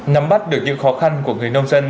nắm bắt được những khó khăn của người nông dân